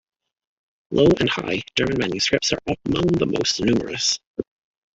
Low and High German manuscripts are among the most numerous.